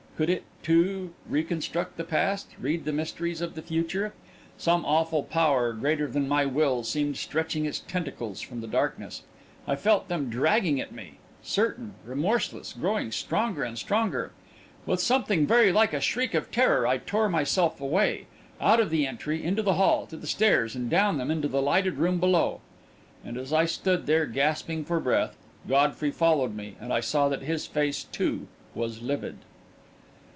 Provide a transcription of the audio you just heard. Could it, too, reconstruct the past, read the mysteries of the future ... Some awful power, greater than my will, seemed stretching its tentacles from the darkness: I felt them dragging at me, certain, remorseless, growing stronger and stronger ... With something very like a shriek of terror, I tore myself away, out of the entry, into the hall, to the stairs, and down them into the lighted room below. And as I stood there, gasping for breath, Godfrey followed me, and I saw that his face, too, was livid.